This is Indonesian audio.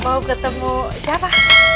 mau ketemu siapa